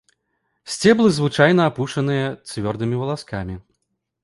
Сцеблы звычайна апушаныя цвёрдымі валаскамі.